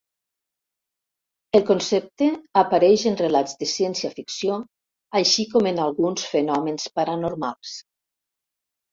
El concepte apareix en relats de ciència-ficció així com en alguns fenòmens paranormals.